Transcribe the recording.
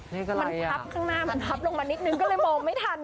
มันพับข้างหน้ามันพับลงมานิดนึงก็เลยมองไม่ทัน